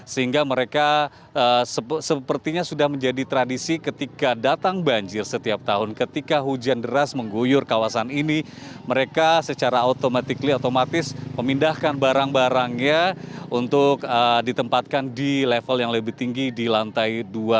sehingga mereka sepertinya sudah menjadi tradisi ketika datang banjir setiap tahun ketika hujan deras mengguyur kawasan ini mereka secara otomatis memindahkan barang barangnya untuk ditempatkan di level yang lebih tinggi di lantai dua